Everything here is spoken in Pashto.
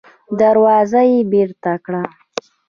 دروازه يې بېرته کړه.